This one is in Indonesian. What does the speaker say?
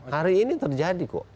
hari ini terjadi kok